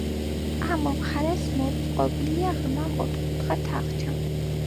ამ მხარეს მოწყობილია ღრმა ოთხკუთხა თახჩა.